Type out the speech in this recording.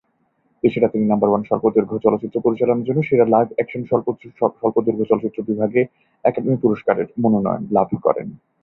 এছাড়া তিনি "number one" স্বল্পদৈর্ঘ্য চলচ্চিত্র পরিচালনার জন্য সেরা লাইভ অ্যাকশন স্বল্পদৈর্ঘ্য চলচ্চিত্র বিভাগে একাডেমি পুরস্কারের মনোনয়ন লাভ করেন।